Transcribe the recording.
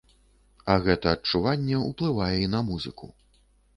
А гэта адчуванне ўплывае і на музыку.